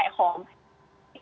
ya eee pepatah china